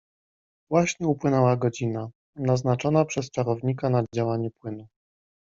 "Właśnie upłynęła godzina, naznaczona przez czarownika na działanie płynu."